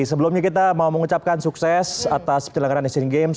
sebelumnya kita mau mengucapkan sukses atas penyelenggaraan asian games